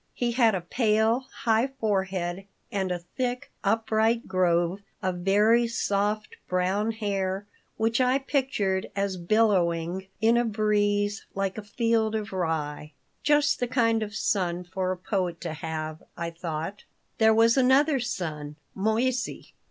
He had a pale, high forehead and a thick, upright grove of very soft, brown hair which I pictured as billowing in a breeze like a field of rye. "Just the kind of son for a poet to have," I thought There was another son, Moissey.